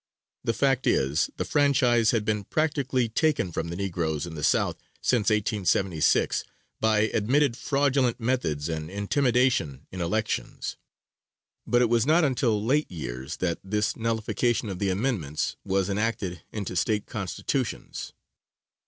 The fact is, the franchise had been practically taken from the negroes in the South since 1876, by admitted fraudulent methods and intimidation in elections, but it was not until late years that this nullification of the amendments was enacted into State Constitutions.